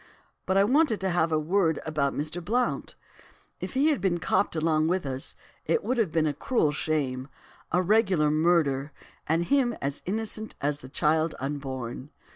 But I wanted to have a word about Mr. Blount. If he had been copped along with us, it would have been a cruel shame, a regular murder, and him as innocent as the child unborn.